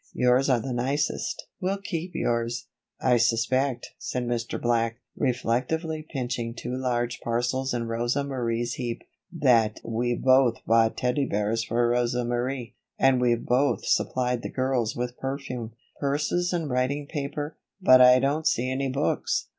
Yours are the nicest we'll keep yours." "I suspect," said Mr. Black, reflectively pinching two large parcels in Rosa Marie's heap, "that we've both bought Teddy bears for Rosa Marie. And we've both supplied the girls with perfume, purses and writing paper, but I don't see any books."